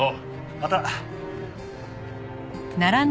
また。